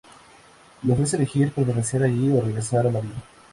Le ofrece elegir: permanecer allí o regresar a la vida.